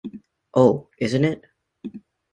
Oh, isn't it!